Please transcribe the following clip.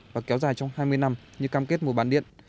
và kéo dài trong hai mươi năm như cam kết mùa bán điện